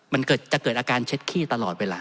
มันจะเกิดอาการเช็ดขี้ตลอดเวลา